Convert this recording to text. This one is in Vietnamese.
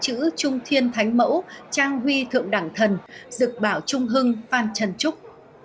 trong thẻ bài có các chữ trung thiên thánh mẫu trang huy thượng đảng thần dược bảo trung hưng phan trần trúc